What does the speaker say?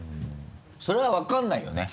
それは分からないよね？